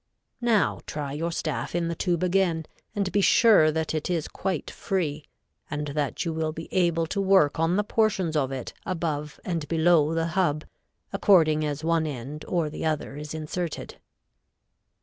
Now try your staff in the tube again, and be sure that it is quite free, and that you will be able to work on the portions of it above and below the hub, according as one end or the other is inserted.